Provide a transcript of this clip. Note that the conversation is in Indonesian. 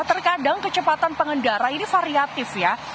terkadang kecepatan pengendara ini variatif ya